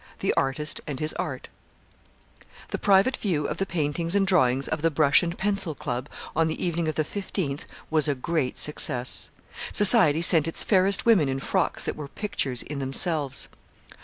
THE ARTIST AND HIS ART The private view of the paintings and drawings of the Brush and Pencil Club on the evening of the fifteenth was a great success. Society sent its fairest women in frocks that were pictures in themselves.